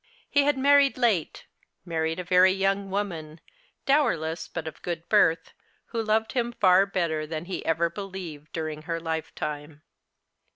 He had marrieil late, married a very yonng woman, dowerless, but of good birth, who loved him far better than he ever believed during her lifetime.